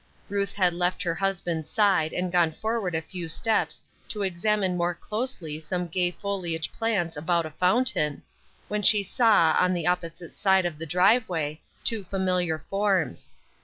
Ruth had left her husband's side and gone forward a few steps to examine more closely some gay foli age plants about a fountain, when she saw, on the opposite side of the driveway, two familiar forms.